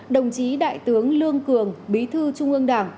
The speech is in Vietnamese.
đồng chí đại tướng lương cường bí thư trung ương đảng